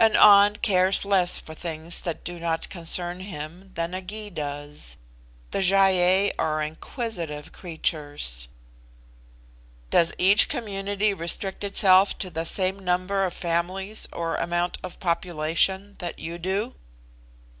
An An cares less for things that do not concern him than a Gy does; the Gy ei are inquisitive creatures." "Does each community restrict itself to the same number of families or amount of population that you do?"